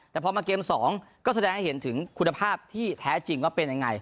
แต่พอมาเกม๒ก็แสดงให้เห็นถึงคุณภาพที่แท้จริงว่าเป็นยังไง